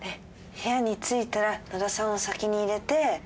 部屋に着いたら野田さんを先に入れて。